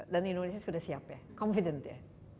dan indonesia sudah siap ya confident ya